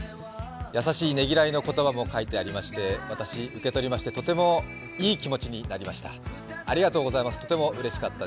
優しいねぎらいの言葉も書いてありまして、私、受け取りましてとてもいい気持ちになりました。